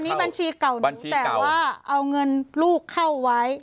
นี่บัญชีเก่าหนูแต่ว่าเอาเงินลูกเข้าไว้